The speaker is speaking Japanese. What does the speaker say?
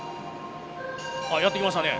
あやって来ましたね。